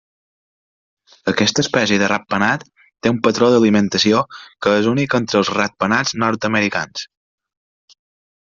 Aquesta espècie de ratpenats té un patró d'alimentació que és únic entre els ratpenats nord-americans.